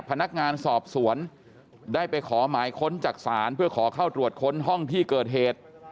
พนักงานสอบสวนได้ไปขอหมายค้นจากศาลเพื่อขอเข้าตรวจค้นห้องที่เกิดเหตุ